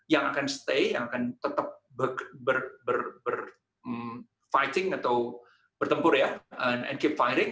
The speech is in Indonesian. yang akan tetap bertempur